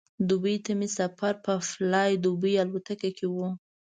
دوبۍ ته مې سفر په فلای دوبۍ الوتکه کې و.